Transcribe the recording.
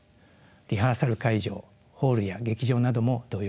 リハーサル会場ホールや劇場なども同様です。